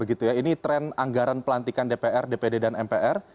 ini tren anggaran pelantikan dpr dpd dan mpr